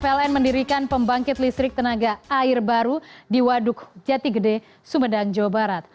pln mendirikan pembangkit listrik tenaga air baru di waduk jati gede sumedang jawa barat